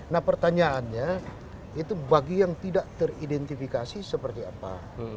nah pertanyaannya itu bagi yang tidak teridentifikasi seperti apa